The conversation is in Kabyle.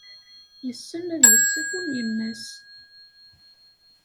Yessen ad yesseww am yemma-s.